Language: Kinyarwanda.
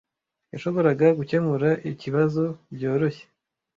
Yashoboraga gukemura ikibazo byoroshye.